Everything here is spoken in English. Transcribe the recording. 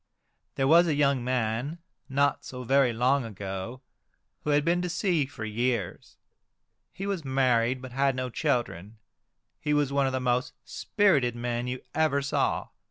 There was a young man, not so very long ago, who had been to sea for years. He was married, but had no children. He was one of the most spirited men you ever saw.